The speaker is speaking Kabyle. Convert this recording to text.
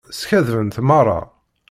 Skaddbent merra.